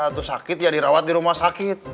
itu sakit ya dirawat di rumah sakit